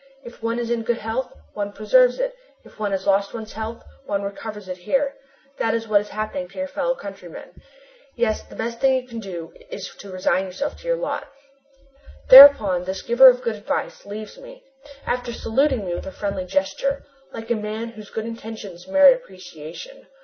If one is in good health, one preserves it; if one has lost one's health, one recovers it here. That is what is happening to your fellow countryman. Yes, the best thing you can do is to resign yourself to your lot." Thereupon this giver of good advice leaves me, after saluting me with a friendly gesture, like a man whose good intentions merit appreciation.